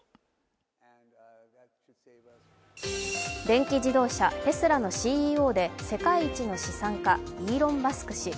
電気自動車、テスラのＣＥＯで世界一の資産家イーロン・マスク氏。